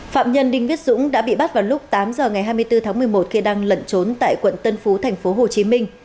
phạm nhân đinh viết dũng đã bị bắt vào lúc tám h ngày hai mươi bốn tháng một mươi một khi đang lẩn trốn tại quận tân phú tp hcm